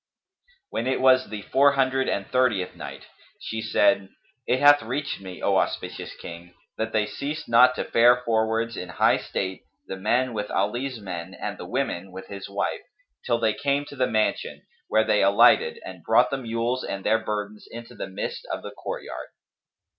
When it was the Four Hundred and Thirtieth Night, She said, It hath reached me, O auspicious King, that they ceased not to fare forwards in high state, the men with Ali's men and the women with his wife, till they came to the mansion, where they alighted and brought the mules and their burdens into the midst of the courtyard.